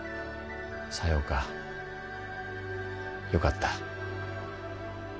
さようかよかった。